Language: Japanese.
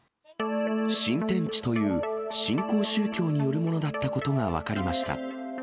新天地という新興宗教によるものだったことが分かりました。